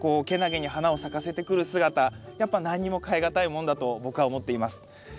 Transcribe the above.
けなげに花を咲かせてくる姿やっぱ何にも代えがたいもんだと僕は思っています。